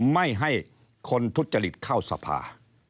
ไม่ให้คนทุจริตเข้าสภา